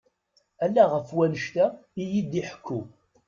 Ala ɣef wannect-a iyi-d-iḥekku.